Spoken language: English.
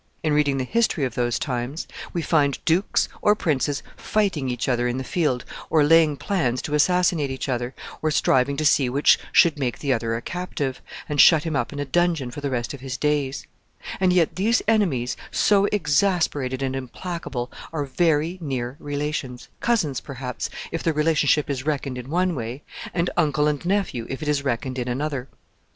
In reading the history of those times, we find dukes or princes fighting each other in the field, or laying plans to assassinate each other, or striving to see which should make the other a captive, and shut him up in a dungeon for the rest of his days; and yet these enemies, so exasperated and implacable, are very near relations cousins, perhaps, if the relationship is reckoned in one way, and uncle and nephew if it is reckoned in another.